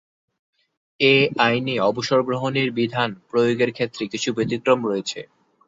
এ আইনে অবসরগ্রহণের বিধান প্রয়োগের ক্ষেত্রে কিছু ব্যতিক্রম রয়েছে।